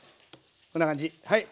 こんな感じはい。